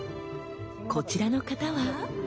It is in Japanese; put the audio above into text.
こちらの方は。